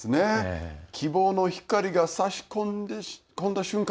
希望の光がさし込んだ瞬間